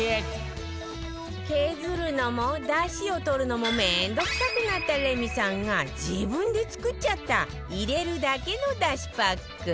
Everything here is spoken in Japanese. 削るのも出汁を取るのも面倒くさくなったレミさんが自分で作っちゃった入れるだけの出汁パック